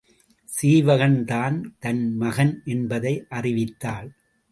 சீவகன்தான் தன் மகன் என்பதை அறிவித்தாள்.